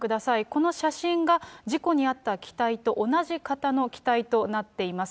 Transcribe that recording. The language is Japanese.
この写真が事故にあった機体と同じ型の機体となっています。